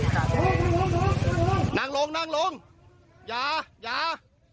นั่งลงนั่งลงนั่งลงอย่าอย่า